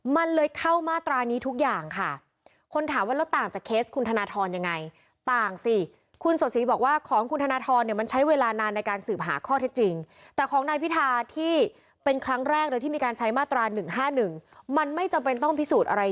มันเลยเข้ามาตรานี้ทุกอย่างค่ะคนถามว่าเลือกตั้งไปจากเคสห์ของคุณธนทรอยังไง